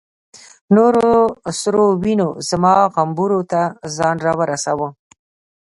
نورو سرو وینو زما غومبورو ته ځان را ورساوه.